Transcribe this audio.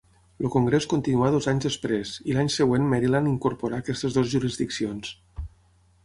El congrés continuà dos anys després, i l'any següent Maryland incorporà aquestes dues jurisdiccions.